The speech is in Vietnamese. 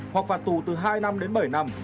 hoặc phạt tù từ hai năm đến bảy năm